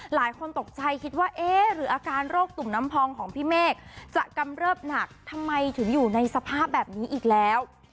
หลายคนตกใจคิดว่าเอ๊ะหรืออาการโรคตุ่มน้ำพองของพี่เมฆจะกำเริบหนักทำไมถึงอยู่ในสภาพแบบนี้อีกแล้ว